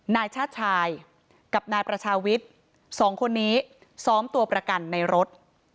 นายชาติชายกับนายประชาวิทย์สองคนนี้ซ้อมตัวประกันในรถ